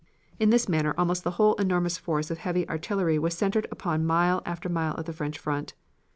In this manner almost the whole enormous force of heavy artillery was centered upon mile after mile of the French front.